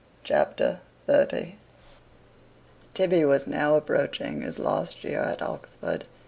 Chapter 30 Tibby was now approaching his last year at Oxford.